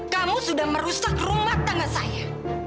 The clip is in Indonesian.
kamu sudah merusak rumah tangga saya